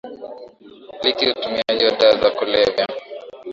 liki utumiaji wa dawa za kulevya